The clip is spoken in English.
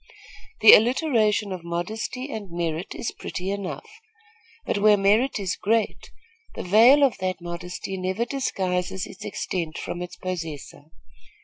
The alliteration of modesty and merit is pretty enough; but where merit is great, the veil of that modesty never disguises its extent from its possessor.